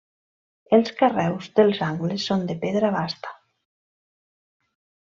Els carreus dels angles són de pedra basta.